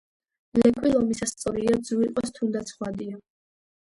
ლეკვი ლომისა სწორია ძუ იყოს თუნდაც ხვადია.